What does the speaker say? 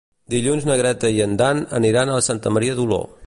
Dilluns na Greta i en Dan aniran a Santa Maria d'Oló.